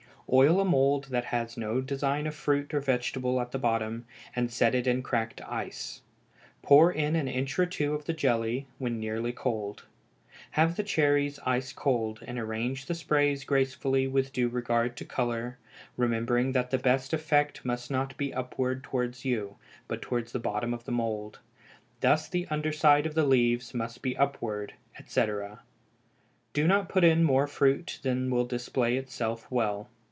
Oil a mould that has no design of fruit or vegetable at the bottom, and set it in cracked ice; pour in an inch or two of the jelly when nearly cold. Have the cherries ice cold, and arrange the sprays gracefully with due regard to color, remembering that the best effect must be not upward towards you, but towards the bottom of the mould; thus the underside of the leaves must be upward, etc. Do not put in more fruit than will display itself well.